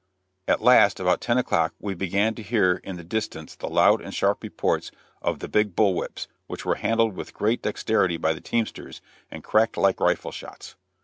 At last, about ten o'clock, we began to hear in the distance the loud and sharp reports of the big bull whips, which were handled with great dexterity by the teamsters, and cracked like rifle shots.